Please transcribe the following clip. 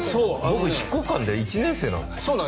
僕、執行官で１年生なんです。